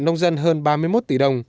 nông dân hơn ba mươi một tỷ đồng